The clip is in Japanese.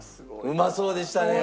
うまそうでしたね。